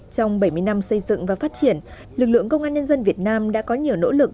trong bảy mươi năm xây dựng và phát triển lực lượng công an nhân dân việt nam đã có nhiều nỗ lực